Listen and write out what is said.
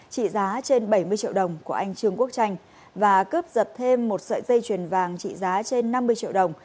trị giá trên bảy mươi triệu đồng của anh trương quốc tranh và cướp giật thêm một sợi dây chuyền vàng trị giá trên năm mươi triệu đồng